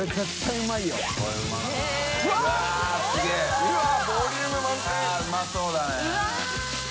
うまそうだね。